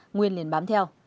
nguyên liền bám theo